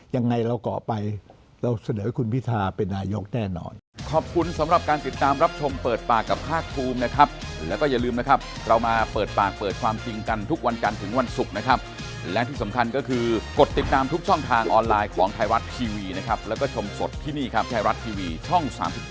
ยังไงเราก่อไปเราเสนอให้คุณพิธาเป็นนายกแน่นอน